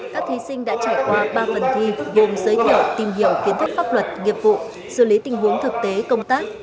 các thí sinh đã trải qua ba phần thi gồm giới thiệu tìm hiểu kiến thức pháp luật nghiệp vụ xử lý tình huống thực tế công tác